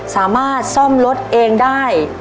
สามารถซ่อมรถเองได้